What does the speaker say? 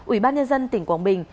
ubnd tỉnh quảng bình